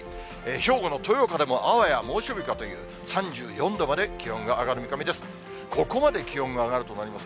兵庫の豊岡でもあわや猛暑日かという、３４度まで気温が上がる見込みです。